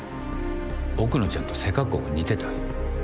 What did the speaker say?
奥野ちゃんと背格好が似てた。